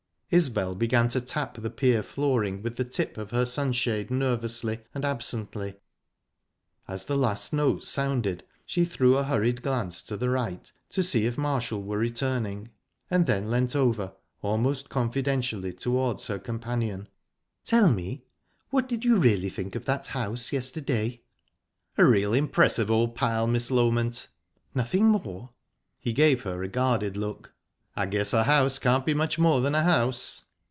Isbel began to tap the pier flooring with the tip of her sunshade nervously and absently. As the last notes sounded she threw a hurried glance to the right, to see if Marshall were returning, and then leant over, almost confidentially, towards her companion. "Tell me what did you really think of that house yesterday?" "A real impressive old pile, Miss Loment." "Nothing more?" He gave her a guarded look. "I guess a house can't be much more than a house."